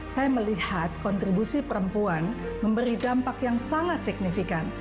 saya melihat kontribusi perempuan memberi dampak yang sangat signifikan